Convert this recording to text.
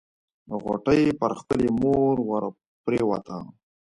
غوټۍ پر خپلې مور ورپريوته.